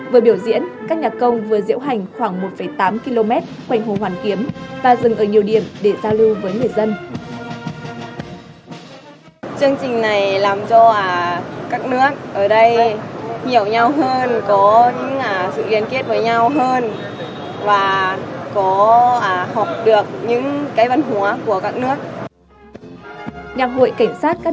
vừa biểu diễn các nhạc công vừa diễu hành khoảng một tám km quanh hồ hoàn kiếm và dừng ở nhiều điểm để giao lưu với người dân